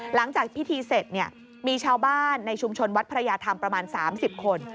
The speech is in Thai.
หลังจากพิธีเสร็จมีชาวบ้านในชุมชนวัดพระยาธรรมประมาณ๓๐คน